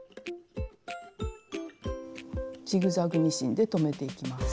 ジグザグミシンで留めていきます。